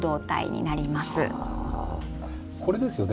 これですよね。